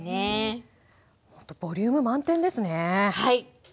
ほんとボリューム満点ですね。